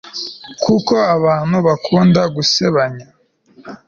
kuko abantu bakunda gusebanya